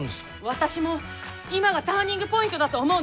私も今がターニングポイントだと思うの。